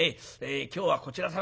今日はこちら様